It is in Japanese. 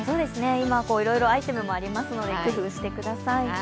今いろいろアイテムもありますので工夫してください。